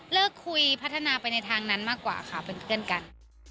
คุยพัฒนาไปในทางนั้นมากกว่าค่ะเป็นเพื่อนกัน